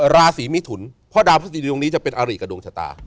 ราศีมิถุนเพราะดาวพฤษฎีตรงนี้จะเป็นอาริกับดวงชะตา